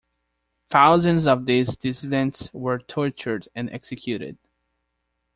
Thousands of these dissidents were tortured and executed.